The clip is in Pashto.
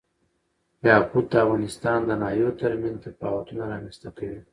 یاقوت د افغانستان د ناحیو ترمنځ تفاوتونه رامنځ ته کوي.